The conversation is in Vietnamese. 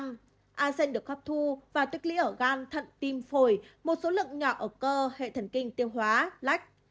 a sen được khắp thu và tích lũy ở gan thận tim phổi một số lượng nhỏ ở cơ hệ thần kinh tiêu hóa lách